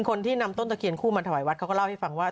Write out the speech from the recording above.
คนที่นำต้นตะเคียนคู่มาถวายวัดเขาก็เล่าให้ฟังว่า